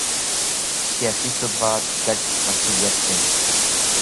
سیاسي ثبات ګډ مسوولیت دی